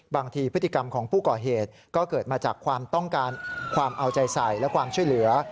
บางทีพฤติกรรมของผู้ก่อเหตุก็เกิดมาจากความต้องการความเอาใจใส่และความช่วยเหลือ